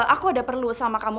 aku ada perlu sama kamu